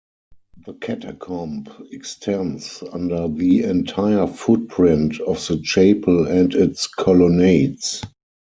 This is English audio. The catacomb extends under the entire footprint of the chapel and its colonnades.